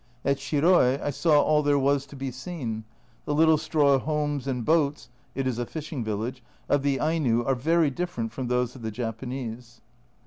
At Shiroi I saw all there was to be seen ; the little straw homes and boats (it is a fishing village) of the Aino are very different from those of the Japanese.